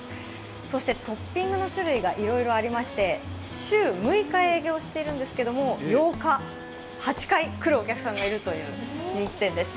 そしてトッピングの種類がいろいろありまして週６日営業しているんですけど、８回来るお客さんがいるという人気店です。